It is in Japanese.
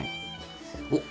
おっ！